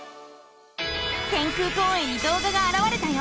天空公園に動画があらわれたよ！